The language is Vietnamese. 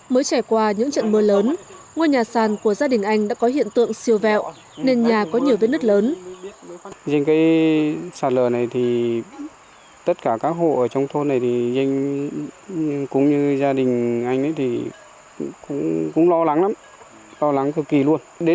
mới trải qua những trận mưa lớn ngôi nhà sàn của gia đình anh đã có hiện tượng siêu vẹo nên nhà có nhiều vết nứt lớn